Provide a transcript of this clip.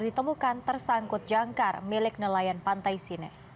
ditemukan tersangkut jangkar milik nelayan pantai sineh